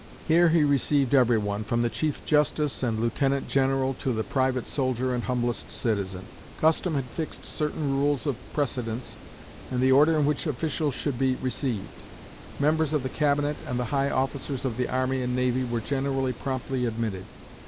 Here he received everyone, from the Chief Justice and Lieutenant General to the private soldier and humblest citizen. Custom had fixed certain rules of precedence, and the order in which officials should be received. Members of the Cabinet and the high officers of the army and navy were generally promptly admitted.